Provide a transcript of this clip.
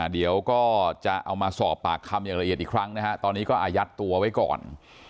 เดี๋ยวก็จะเอามาสอบปากคำอย่างละเอียดอีกครั้งนะฮะตอนนี้ก็อายัดตัวไว้ก่อน